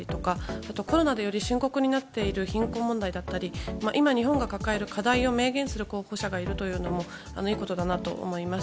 あと、コロナでより深刻になっている貧困問題だったり今、日本が抱える課題を明言する候補者がいるというのもいいことだなと思います。